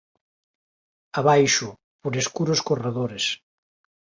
abaixo, por escuros corredores.